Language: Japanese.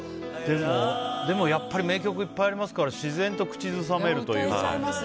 でも、やっぱり名曲いっぱいありますから自然と口ずさめるというか。